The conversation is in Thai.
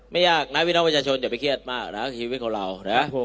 ไม่ยากนะพี่น้องประชาชนอย่าไปเครียดมากนะชีวิตของเรานะ